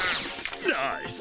ナイス！